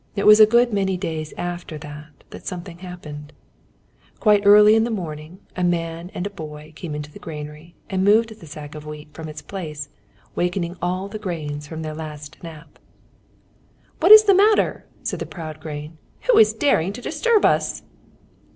It was a good many days after that, that something happened. Quite early in the morning, a man and a boy came into the granary, and moved the sack of wheat from its place, wakening all the grains from their last nap. "What is the matter?" said the proud grain. "Who is daring to disturb us?"